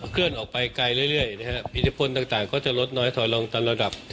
เคลื่อนออกไปไกลเรื่อยนะฮะอิทธิพลต่างก็จะลดน้อยถอยลงตามระดับ